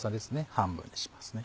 半分にしますね。